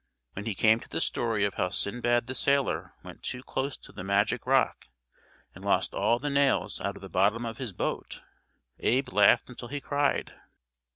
When he came to the story of how Sindbad the Sailor went too close to the magic rock and lost all the nails out of the bottom of his boat, Abe laughed until he cried.